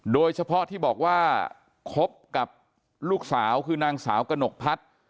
โดยเฉพาะที่บอกว่าคบกับลูกสาวคือนางสาวกระหนกพัฒน์